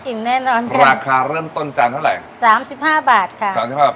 แน่นอนค่ะราคาเริ่มต้นจานเท่าไหร่สามสิบห้าบาทค่ะสามสิบห้าบาท